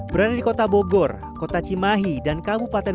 berada di kota bogor kota cimahi dan kabupaten